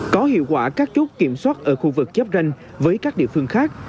có hiệu quả các chốt kiểm soát ở khu vực giáp ranh với các địa phương khác